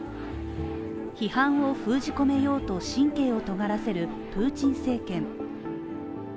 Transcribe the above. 批判を封じ込めようと神経をとがらせるプーチン政権。